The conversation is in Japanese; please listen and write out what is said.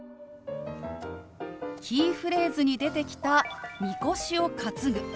キーフレーズに出てきた「みこしを担ぐ」。